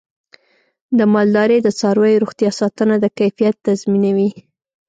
د مالدارۍ د څارویو روغتیا ساتنه د کیفیت تضمینوي.